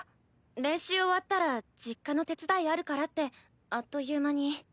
練習終わったら実家の手伝いあるからってあっという間に。